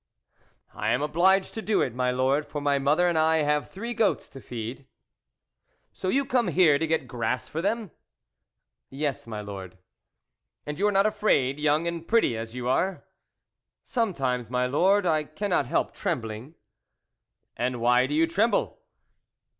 " I am obliged to do it, my Lord, for my mother and I have three goats to feed." THE WOLF LEADER "So you come here to get grass for them ?"" Yes, my Lord." "And you are not afraid, young and pretty as you are ?" "Sometimes, my Lord, I cannot help trembling." ;. And why do you tremble